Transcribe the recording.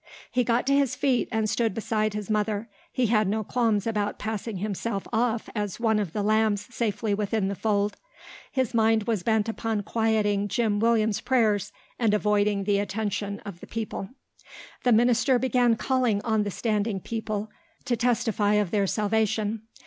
He got to his feet and stood beside his mother. He had no qualms about passing himself off as one of the lambs safely within the fold. His mind was bent upon quieting Jim Williams' prayers and avoiding the attention of the people. The minister began calling on the standing people to testify of their salvation.